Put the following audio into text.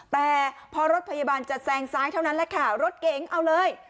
แต่พอรถพยาบาลจะแซงซ้ายเท่านั้นแหละค่ะรถเก๋งเอาเลย